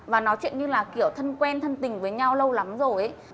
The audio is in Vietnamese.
và nói chuyện như là kiểu thân quen thân tình với nhau lâu lắm rồi ấy